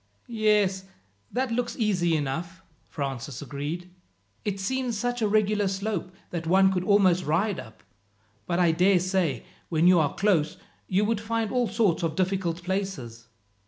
"Yes, that looks easy enough," Francis agreed. "It seems such a regular slope, that one could almost ride up; but I dare say, when you are close you would find all sorts of difficult places."